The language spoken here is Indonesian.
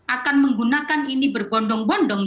akan menggunakan ini berbondong bondong